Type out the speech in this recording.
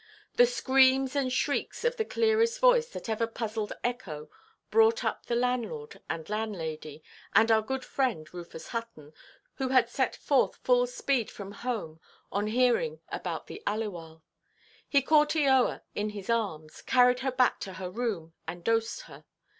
The screams and shrieks of the clearest voice that ever puzzled echo brought up the landlord and landlady, and our good friend Rufus Hutton, who had set forth full speed from home on hearing about the Aliwal. He caught Eoa in his arms, carried her back to her room, and dosed her.